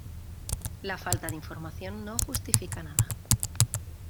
La falta de información no justifica nada.